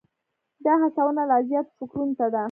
دا هڅونه لا زیاتو فکرونو ته ده.